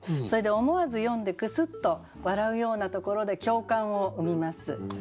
それで思わず読んでクスッと笑うようなところで共感を生みます。